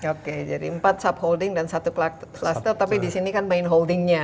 oke jadi empat subholding dan satu cluster tapi di sini kan main holdingnya